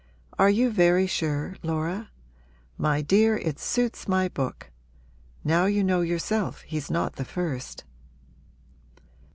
'Are you very sure, Laura? My dear, it suits my book! Now you know yourself he's not the first.'